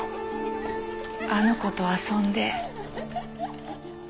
あの子と遊んで。